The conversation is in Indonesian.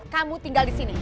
kamu tinggal disini